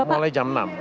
mulai jam berapa bapak